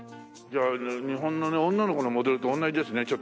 じゃあ日本の女の子のモデルと同じですね。